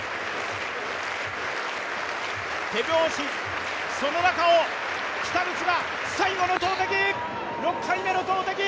手拍子、その中を北口が最後の投てき、６回目の投てき。